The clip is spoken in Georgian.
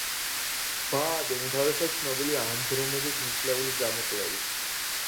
ბაადე უმთავრესად ცნობილია ანდრომედეს ნისლეულის გამოკვლევით.